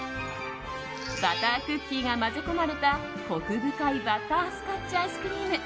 バタークッキーが混ぜ込まれたコク深いバタースカッチアイスクリーム。